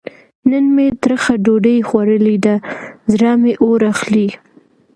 نن مې ترخه ډوډۍ خوړلې ده؛ زړه مې اور اخلي.